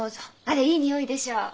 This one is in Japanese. あれいい匂いでしょう？